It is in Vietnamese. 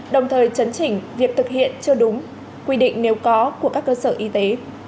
đồng thời chấn chỉnh việc thực hiện chưa đúng quy định nếu có của các cơ sở y tế